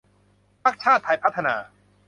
พรรคชาติไทยพัฒนา